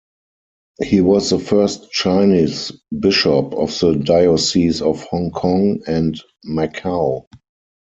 He was the first Chinese bishop of the diocese of Hong Kong and Macao.